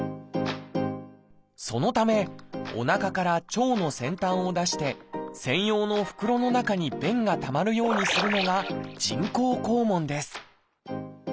そのためおなかから腸の先端を出して専用の袋の中に便がたまるようにするのが人工肛門です